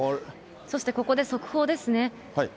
そしてここで速報ですね。